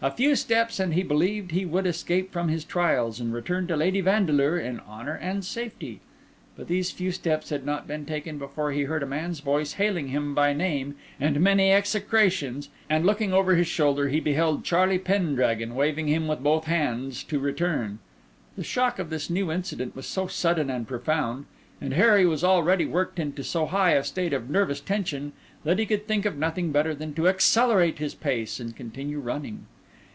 A few steps, and he believed he would escape from his trials, and return to Lady Vandeleur in honour and safety. But these few steps had not been taken before he heard a man's voice hailing him by name with many execrations, and, looking over his shoulder, he beheld Charlie Pendragon waving him with both arms to return. The shock of this new incident was so sudden and profound, and Harry was already worked into so high a state of nervous tension, that he could think of nothing better than to accelerate his pace, and continue running.